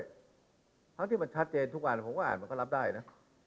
ทั้งที่มันชัดเจนทุกวันผมก็อ่านมันก็รับได้นะ